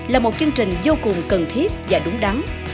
là một chương trình vô cùng cần thiết và đúng đắn